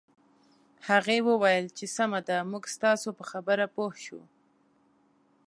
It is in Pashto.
هغې وویل چې سمه ده موږ ستاسو په خبره پوه شوو